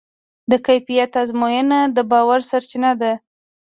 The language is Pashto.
د کیفیت ازموینه د باور سرچینه ده.